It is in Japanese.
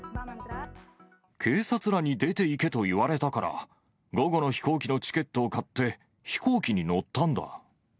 警察らに出て行けと言われたから、午後の飛行機のチケットを買って、飛行機に乗ったんだ。